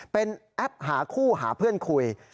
เป็นแอปหาคู่หาเพื่อนคุย